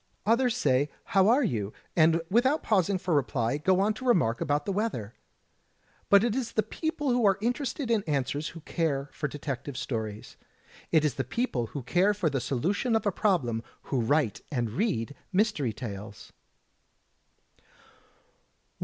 Others say How are you?" and without pausing for reply, go on to remark about the weather. But it is the people who are interested in answers who care for detective stories. It is the people who care for • THE ETERNAL CURIOUS 5 the solution of a problem who write and read mystery tales.